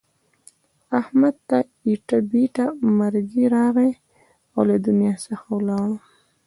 احمد ته ایټه بیټه مرگی راغی او له دنیا څخه ولاړو.